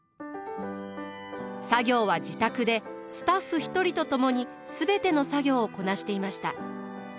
作業は自宅でスタッフ１人と共に全ての作業をこなしていました。